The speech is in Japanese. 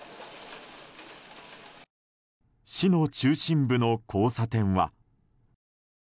市の中心部の交差点は。